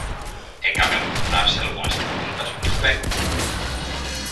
E caben formularse algunhas preguntas ao respecto.